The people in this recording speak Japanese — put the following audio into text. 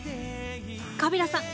カビラさん